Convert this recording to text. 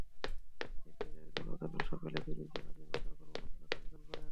একই দাবিতে গতকাল সকালে তিনি জেলা নির্বাচন কর্মকর্তার কাছে আবেদন করেন।